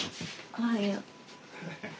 おはよう。